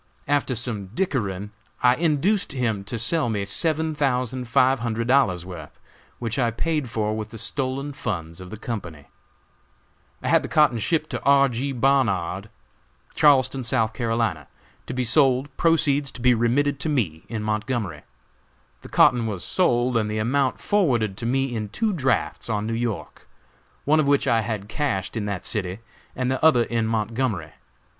After some dickering I induced him to sell me seven thousand five hundred dollars' worth, which I paid for with the stolen funds of the company. "I had the cotton shipped to R. G. Barnard, Charleston, S. C., to be sold, proceeds to be remitted to me, in Montgomery. The cotton was sold and the amount forwarded to me in two drafts on New York, one of which I had cashed in that city, and the other in Montgomery.